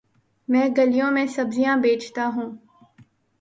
میں گلیوں میں سبزیاں بیچتا ہوں